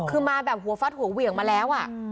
คือมาแบบหัวฟัดหัวเหวี่ยงมาแล้ว